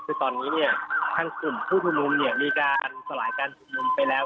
คือตอนนี้เนี่ยทางกลุ่มผู้ชุมนุมเนี่ยมีการสลายการชุมนุมไปแล้ว